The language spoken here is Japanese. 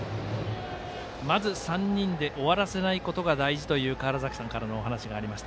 まず３人で終わらせないことが大事という川原崎さんからのお話がありました。